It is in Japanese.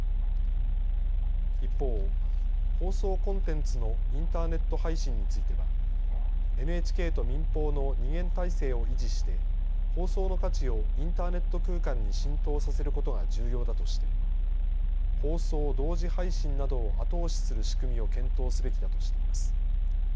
一方、放送コンテンツのインターネット配信についてはＮＨＫと民放の二元体制を維持して放送の価値をインターネット空間に浸透させることが重要だとして放送同時配信などを後押しする仕組みを検討すべきだとしています。